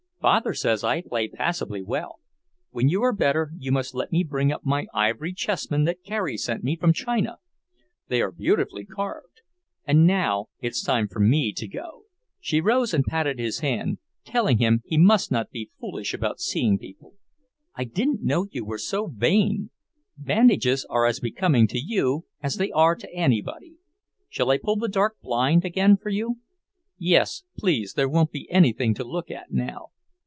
"Father says I play passably well. When you are better you must let me bring up my ivory chessmen that Carrie sent me from China. They are beautifully carved. And now it's time for me to go." She rose and patted his hand, telling him he must not be foolish about seeing people. "I didn't know you were so vain. Bandages are as becoming to you as they are to anybody. Shall I pull the dark blind again for you?" "Yes, please. There won't be anything to look at now."